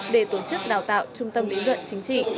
để tổ chức đào tạo trung tâm biểu đoạn chính trị